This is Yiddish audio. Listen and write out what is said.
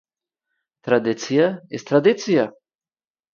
טראַדיציע איז טראַדיציע